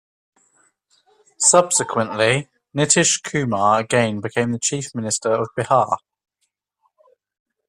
Subsequently, Nitish Kumar again became the Chief Minister of Bihar.